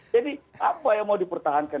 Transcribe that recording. jadi apa yang mau dipertahankan